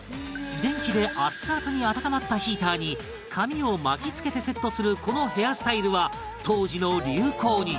電気でアッツアツに温まったヒーターに髪を巻きつけてセットするこのヘアスタイルは当時の流行に